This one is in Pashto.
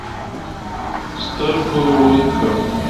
سترګو ړوند کړ.